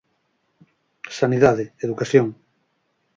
Sanidade, educación.